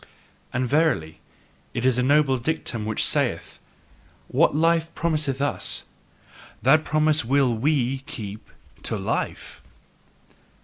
And verily, it is a noble dictum which saith: "What life promiseth US, that promise will WE keep to life!"